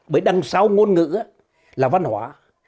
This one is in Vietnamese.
bởi đằng sau ngôn ngữ là văn hóa